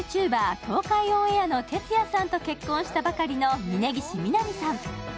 東海オンエアのてつやさんと結婚したばかりの峯岸みなみさん。